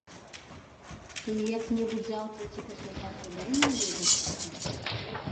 Ты як-небудзь заўтра ці паслязаўтра дай мне ведаць, як табе.